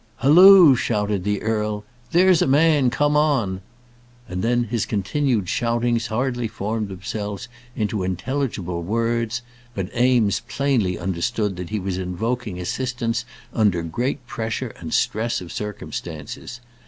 "Halloo!" shouted the earl. "There's a man. Come on." And then his continued shoutings hardly formed themselves into intelligible words; but Eames plainly understood that he was invoking assistance under great pressure and stress of circumstances.